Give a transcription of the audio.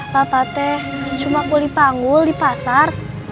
bapak teh cuma kulih panggul di pasar